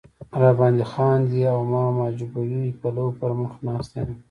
را باندې خاندي او ما محجوبوي پلو پر مخ ناسته یم.